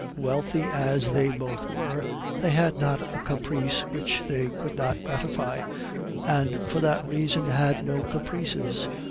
Wealthy as they both were, they had not a caprice which they could not gratify, and for that reason had no caprices.